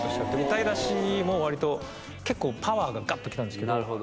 歌いだしも割と結構パワーがガッと来たんですけど。